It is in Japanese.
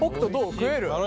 食える？